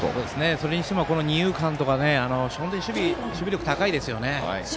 それにしても二遊間とか守備力高いですよね。